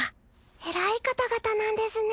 偉い方々なんですね。